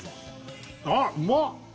ああうまっ